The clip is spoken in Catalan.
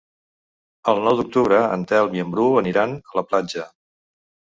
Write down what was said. El nou d'octubre en Telm i en Bru aniran a la platja.